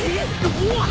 うわっ！